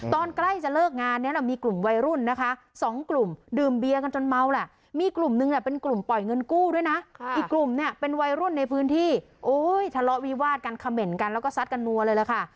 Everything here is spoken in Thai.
ใกล้จะเลิกงานเนี่ยนะมีกลุ่มวัยรุ่นนะคะสองกลุ่มดื่มเบียกันจนเมาแหละมีกลุ่มนึงแหละเป็นกลุ่มปล่อยเงินกู้ด้วยนะอีกกลุ่มเนี่ยเป็นวัยรุ่นในพื้นที่โอ้ยทะเลาะวิวาดกันเขม่นกันแล้วก็ซัดกันนัวเลยล่ะค่ะ